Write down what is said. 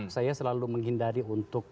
saya selalu menghindari untuk